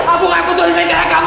aku gak butuh istri kayak kamu